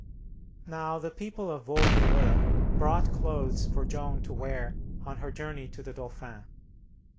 Now the people of Vaucouleurs brought clothes for Joan to wear on her journey to the Dauphin.